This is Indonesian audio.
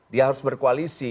dia harus berkoalisi